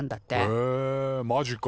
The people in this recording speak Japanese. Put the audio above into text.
へえマジか。